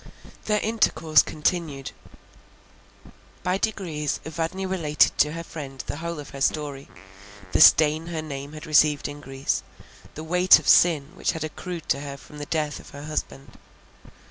Their intercourse continued. By degrees Evadne related to her friend the whole of her story, the stain her name had received in Greece, the weight of sin which had accrued to her from the death of her husband.